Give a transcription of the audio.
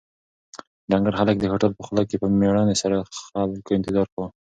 ډنکر هلک د هوټل په خوله کې په مېړانې سره د خلکو انتظار کاوه.